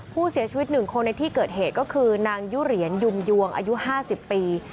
ผู้เสียชีวิต๑คนในที่เกิดเหตุก็คือนางยุเหรียญยุงยวงอายุ๕๐ปี